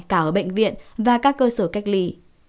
cả ở bệnh viện và các cơ sở cách ly